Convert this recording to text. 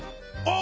あ。